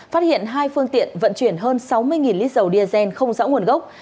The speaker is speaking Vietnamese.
phát hiện hai phương tiện vận chuyển hơn sáu mươi lít dầu diazen không rõ nguồn gốc